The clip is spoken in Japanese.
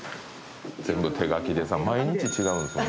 全部手書きでさ毎日違うんですよね。